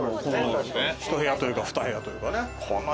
１部屋というか、２部屋というか。